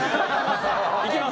いきます！